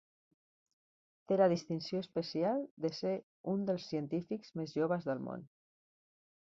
Té la distinció especial de ser un dels científics més joves del món.